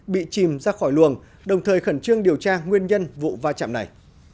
bị chìm ra khỏi luồng đồng thời khẩn trương điều tra nguyên nhân vụ va chạm này